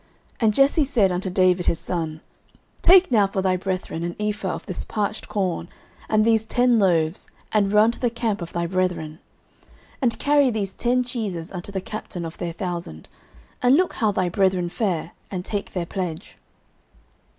09:017:017 And Jesse said unto David his son, Take now for thy brethren an ephah of this parched corn, and these ten loaves, and run to the camp of thy brethren; 09:017:018 And carry these ten cheeses unto the captain of their thousand, and look how thy brethren fare, and take their pledge.